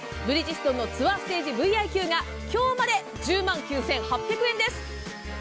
ブリヂストンのツアーステージＶｉＱが今日まで１０万９８００円です！